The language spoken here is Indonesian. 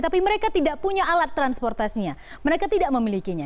tapi mereka tidak punya alat transportasinya mereka tidak memilikinya